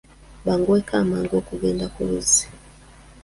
Banguweko mangu okugenda ku luzzi.